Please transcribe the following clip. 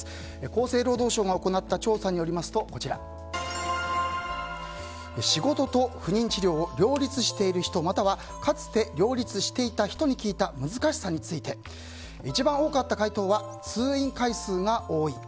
厚生労働省が行った調査によりますと仕事と不妊治療を両立している人またはかつて両立していた人に聞いた難しさについて一番多かった回答は通院回数が多い。